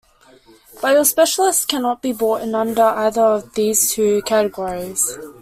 But your specialist cannot be brought in under either of these two categories.